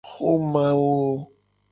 Xomawo.